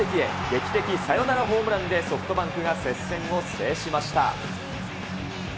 劇的サヨナラホームランで、ソフトバンクが接戦を制しました。